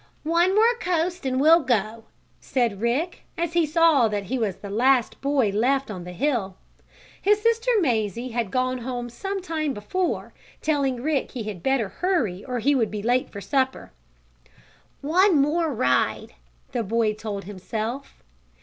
"One more coast and we'll go!" said Rick, as he saw that he was the last boy left on the hill. His sister Mazie had gone home some time before, telling Rick he had better hurry or he would be late for supper. "One more ride!" the boy told himself.